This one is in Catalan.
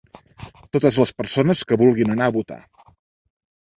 Totes les persones que vulguin anar a votar.